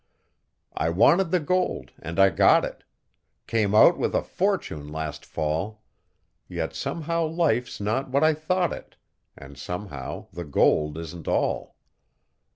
I wanted the gold, and I got it Came out with a fortune last fall, Yet somehow life's not what I thought it, And somehow the gold isn't all.